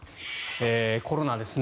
コロナですね。